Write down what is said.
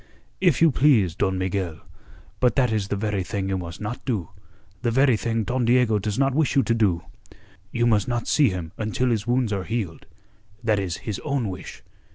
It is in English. "If you please, Don Miguel, but that is the very thing you must not do the very thing Don Diego does not wish you to do. You must not see him until his wounds are healed. That is his own wish.